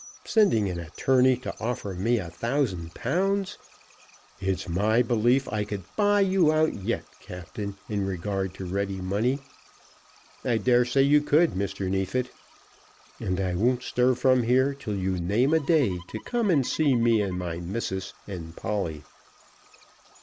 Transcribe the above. Sending an attorney to offer me a thousand pounds! It's my belief I could buy you out yet, Captain, in regard to ready money." "I daresay you could, Mr. Neefit." "And I won't stir from here till you name a day to come and see me and my missus and Polly."